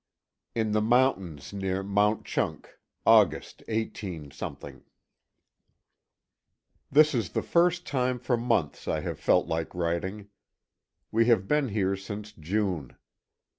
] In the mountains near Mauch Chunk, August, 18 . This is the first time for months I have felt like writing. We have been here since June.